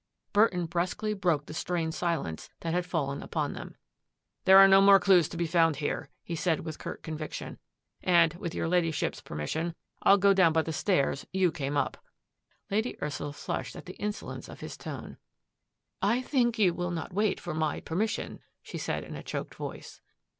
Burton brusquely broke the strained silence that had fallen upon them. " There are no more clues to be found here," he said with curt conviction, " and, with your Ladyship's permission, I'll go down by the stairs you came up." Lady Ursula flushed at the insolence of his tone. " I think you will not wait for my permission," she said in a choked voice.